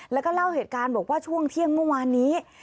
แล้วก็เล่าเหตุการณ์บอกว่าช่วงเที่ยงเมื่อวานนี้